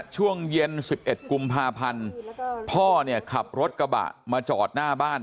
ช่วงเย็น๑๑กุมภาพันธ์พ่อเนี่ยขับรถกระบะมาจอดหน้าบ้าน